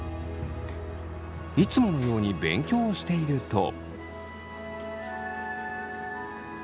いつものように勉強をしていると。